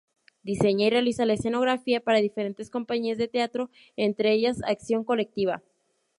Diseña y realiza la escenografía para diferentes compañías de teatro, entre ellas Acción Colectiva.